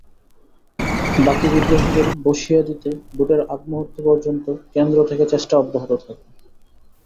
বাকি বিদ্রোহীদের বসিয়ে দিতে ভোটের আগমুহূর্ত পর্যন্ত কেন্দ্র থেকে চেষ্টা অব্যাহত থাকবে।